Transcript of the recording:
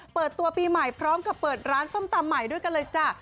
เปิดตัวปีใหม่พร้อมกับเปิดร้านส้มตำใหม่ด้วยกันเลยจ้ะ